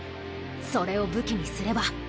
それを武器にすれば。